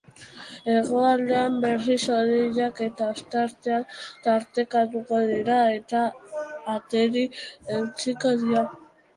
Hegoaldean, berriz, hodeiak eta ostarteak tartekatuko dira eta ateri eutsiko dio.